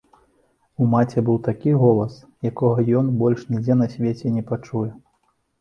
У маці быў такі голас, якога ён ужо больш нідзе на свеце не пачуе.